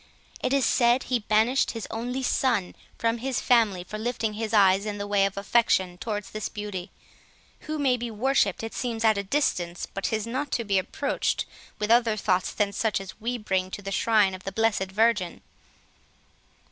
It is said he banished his only son from his family for lifting his eyes in the way of affection towards this beauty, who may be worshipped, it seems, at a distance, but is not to be approached with other thoughts than such as we bring to the shrine of the Blessed Virgin."